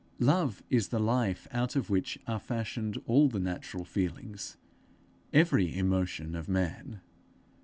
Love is the life out of which are fashioned all the natural feelings, every emotion of man.